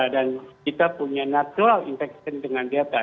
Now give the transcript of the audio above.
dan kita punya natural infection dengan delta